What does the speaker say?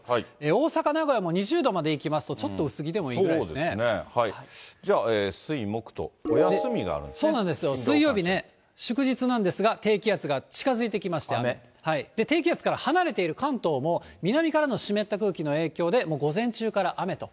大阪、名古屋も２０度までいきますと、ちょっと薄着でもいいくらじゃあ、水、木と、そうなんですよ、水曜日ね、祝日なんですが、低気圧が近づいてきましてね、低気圧から離れている関東も、南からの湿った空気の影響で午前中から雨と。